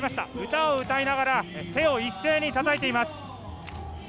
歌を歌いながら手を一斉にたたいています。